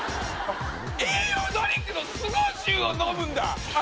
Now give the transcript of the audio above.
栄養ドリンクの凄十を飲むんだ。